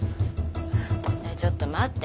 ちょっと待って。